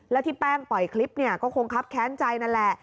แล้วที่แป้งปล่อยคลิปเนี่ยก็คงครับแค้นใจนั่นแหละ